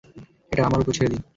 এটা আমার উপর ছেড়ে দিন।